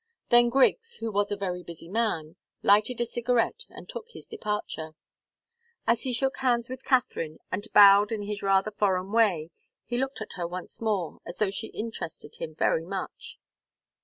Then Griggs, who was a very busy man, lighted a cigarette and took his departure. As he shook hands with Katharine, and bowed in his rather foreign way, he looked at her once more, as though she interested him very much.